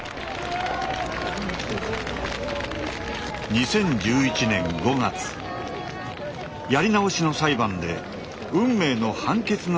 ２０１１年５月やり直しの裁判で運命の判決の日が訪れました。